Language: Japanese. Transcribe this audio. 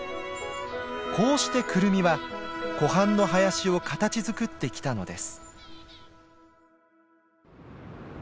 こうしてクルミは湖畔の林を形づくってきたのです。